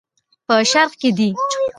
دا په شرق کې دي.